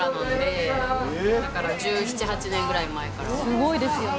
すごいですよね。